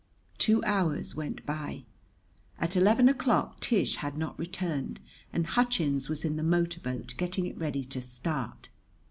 Two hours went by. At eleven o'clock Tish had not returned and Hutchins was in the motor boat, getting it ready to start.